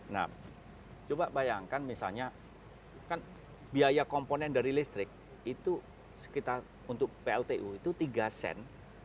nah coba bayangkan misalnya kan biaya komponen dari listrik itu sekitar untuk pltu itu tiga sen